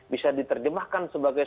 bisa diterjemahkan sebagai